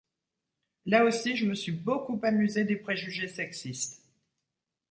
Là aussi, je me suis beaucoup amusé des préjugés sexistes.